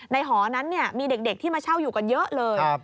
หอนั้นมีเด็กที่มาเช่าอยู่กันเยอะเลย